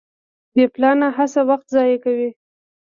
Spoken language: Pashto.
بې پلانه هڅه وخت ضایع کوي.